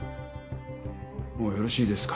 もうよろしいですか？